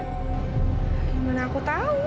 gimana aku tahu